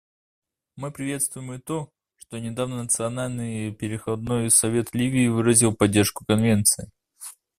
Мы приветствуем и то, что недавно Национальный переходный совет Ливии выразил поддержку Конвенции.